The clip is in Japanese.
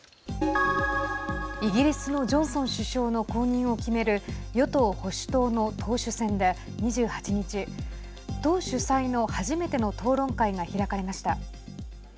イギリスのジョンソン首相の後任を決める与党・保守党の党首選で、２８日党主催の初めての討論会が開かれました。